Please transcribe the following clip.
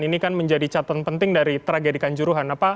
ini kan menjadi catatan penting dari tragedikan juruhan